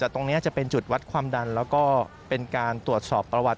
แต่ตรงนี้จะเป็นจุดวัดความดันแล้วก็เป็นการตรวจสอบประวัติ